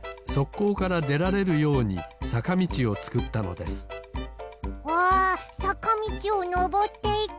こうからでられるようにさかみちをつくったのですわさかみちをのぼっていく！